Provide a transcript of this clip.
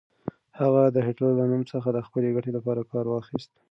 هغه د هېټلر له نوم څخه د خپلې ګټې لپاره کار واخيست.